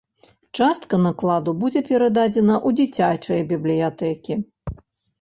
Частка накладу будзе перададзена ў дзіцячыя бібліятэкі.